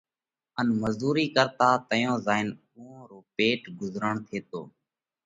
ان مزُورئِي ڪرتا تئيون زائينَ اُوئون رو پيٽ ڳُزروڻ ٿيتو۔